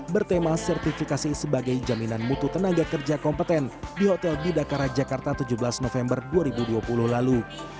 bertema sertifikasi sebagai jaminan mutu tenaga kerja kompeten di hotel bidakara jakarta tujuh belas november dua ribu dua puluh lalu